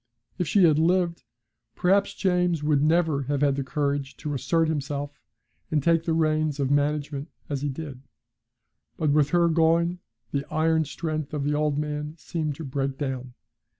If she had lived perhaps James would never have had the courage to assert himself and take the reins of management as he did. But with her going the iron strength of the old man seemed to break down.